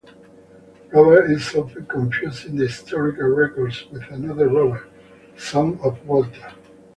Robert is often confused in the historical records with another Robert, son of Walter.